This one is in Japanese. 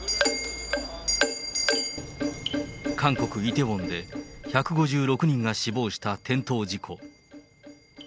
韓国・イテウォンで１５６人が死亡した転倒事故。